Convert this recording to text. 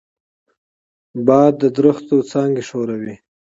باد د ونو څانګې ښوروي